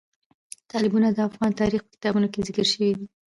تالابونه د افغان تاریخ په کتابونو کې ذکر شوی دي.